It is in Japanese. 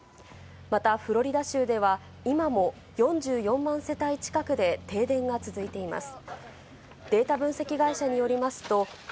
またフロリダ州では、今も４４万世帯近くで停電が続いています。